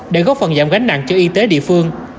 để góp phần giảm gánh nặng cho y tế địa phương